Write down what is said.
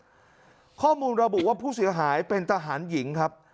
ข้อมูลระบุว่าผู้เสียหายเป็นทหารหญิงครับ